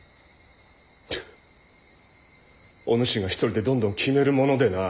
フッお主が一人でどんどん決めるものでなあ。